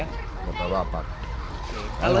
enggak sempat bawa apa apa